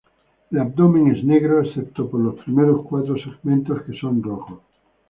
El abdomen es negro, excepto por los primeros cuatros segmentos que son rojos.